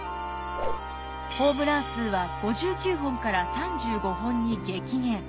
ホームラン数は５９本から３５本に激減。